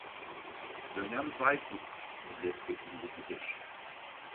Dönem Bayburt milletvekilleridir.